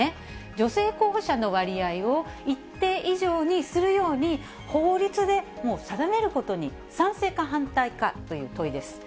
女性候補者の割合を一定以上にするように法律で定めることに賛成か、反対かという問いです。